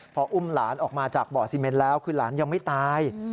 พออุ้มหลานออกมาจากบ่อซีเมนแล้วคือหลานยังไม่ตาย